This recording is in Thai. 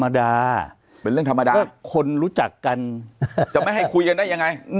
เป็นเรื่องธรรมดาคนรู้จักกันจะไม่ให้คุยกันได้ยังไง